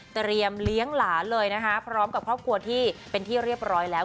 เตรียมเลี้ยงหลานเลยนะคะพร้อมกับครอบครัวที่เป็นที่เรียบร้อยแล้ว